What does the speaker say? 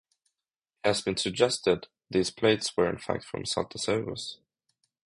It has been suggested these plates were in fact from "Saltasaurus".